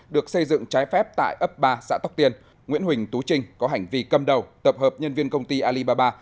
được xây dựng trái phép tại ấp ba xã tóc tiên nguyễn huỳnh tú trinh có hành vi cầm đầu tập hợp nhân viên công ty alibaba